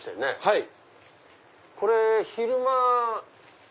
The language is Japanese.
はい。